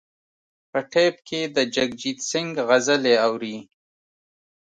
په ټیپ کې د جګجیت سنګ غزلې اوري.